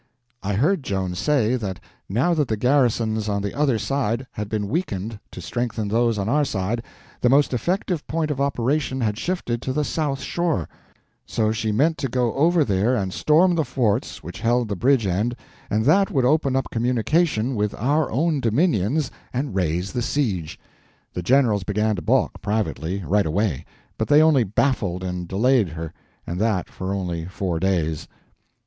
I heard Joan say that now that the garrisons on the other wide had been weakened to strengthen those on our side, the most effective point of operations had shifted to the south shore; so she meant to go over there and storm the forts which held the bridge end, and that would open up communication with our own dominions and raise the siege. The generals began to balk, privately, right away, but they only baffled and delayed her, and that for only four days.